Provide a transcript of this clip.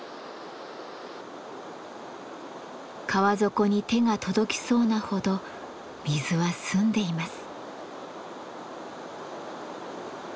川底に手が届きそうなほど水は澄んでいます。